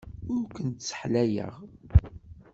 Ur kent-sseḥlayeɣ.